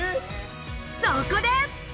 そこで！